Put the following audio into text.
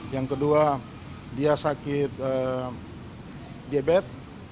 yang kedua dia sakit diabetes